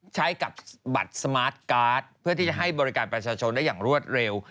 ใช้กับบัตรสมาร์ทการ์ดเพื่อที่จะให้บริการประชาชนได้อย่างรวดเร็ว